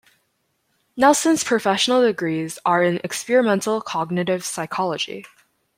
Nelson's professional degrees are in experimental cognitive psychology.